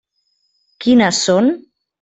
Quines són?